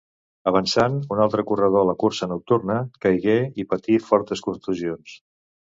Avançant un altre corredor a la cursa nocturna, caigué i patí fortes contusions.